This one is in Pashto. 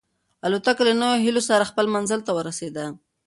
الوتکه له نویو هیلو سره خپل منزل ته ورسېده.